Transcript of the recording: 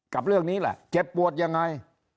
กับเรื่องนี้แหละเจ็บปวดยังไง